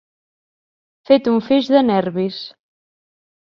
Fet un feix de nervis.